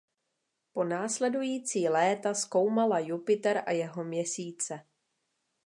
Po následující léta zkoumala Jupiter a jeho měsíce.